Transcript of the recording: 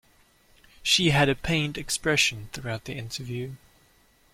She had a pained expression throughout the interview.